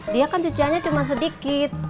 dia kan cuciannya cuma sedikit